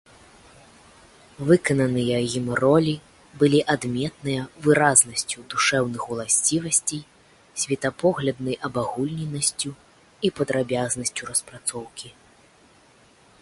Выкананыя ім ролі былі адметныя выразнасцю душэўных уласцівасцей, светапогляднай абагульненасцю і падрабязнасцю распрацоўкі.